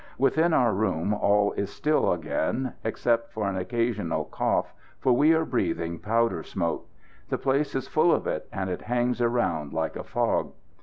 Within our room all is still again, except for an occasional cough, for we are breathing powder smoke. The place is full of it, and it hangs around like a fog.